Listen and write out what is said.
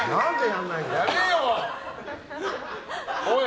おい！